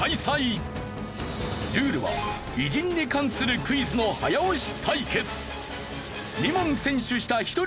ルールは偉人に関するクイズの早押し対決！